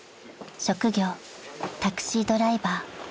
職業タクシードライバー］